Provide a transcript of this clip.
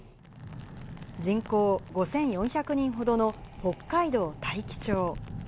人口５４００人ほどの北海道大樹町。